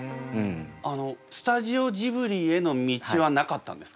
あのスタジオジブリへの道はなかったんですか？